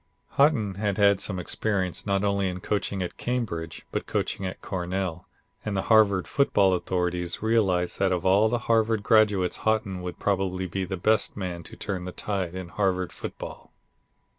Haughton had had some experience not only in coaching at Cambridge but coaching at Cornell, and the Harvard football authorities realized that of all the Harvard graduates Haughton would probably be the best man to turn the tide in Harvard football.